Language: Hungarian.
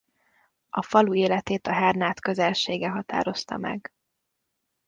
A falu életét a Hernád közelsége határozta meg.